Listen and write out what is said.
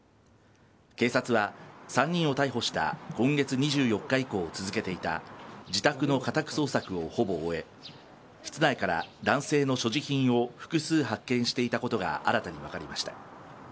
警察は、３人を逮捕した今月２４日以降、続けていた自宅の家宅捜索をほぼ終え、室内から男性の所持品を複数発見していたことが新たに分かりました。